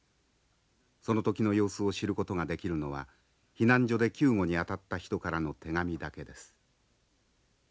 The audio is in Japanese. その時の様子を知ることができるのは避難所で救護にあたった人からの手紙だけです。